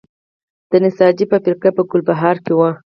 د نساجي فابریکه په ګلبهار کې وه